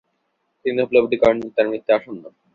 তিনি উপলব্ধি করেন যে তার মৃত্যু আসন্ন।